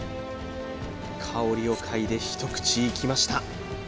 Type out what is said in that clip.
香りを嗅いで一口いきました